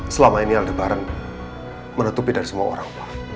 selama ini aldebaran menutupi dari semua orang